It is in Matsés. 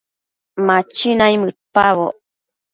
Ma machi naimëdpaboc